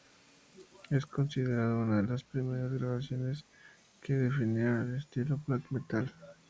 Es considerado una de las primeras grabaciones que definieron el estilo black metal.